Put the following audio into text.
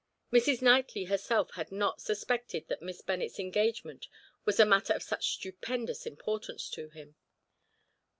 Mrs. Knightley herself had not suspected that Miss Bennet's engagement was a matter of such stupendous importance to him.